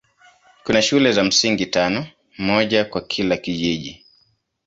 Kuna shule za msingi tano, moja kwa kila kijiji.